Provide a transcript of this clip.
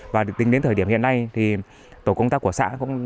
và đến thời điểm hiện nay thì tổ công tác của xã